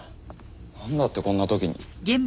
なんだってこんな時に？